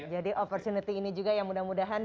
jadi opportunity ini juga yang mudah mudahan